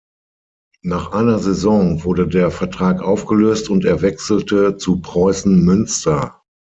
Nach einer Saison wurde der Vertrag aufgelöst und er wechselte zu Preußen Münster.